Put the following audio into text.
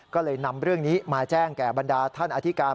ก็เลยนำเรื่องนี้มาแจ้งแก่บรรดาท่านอธิการ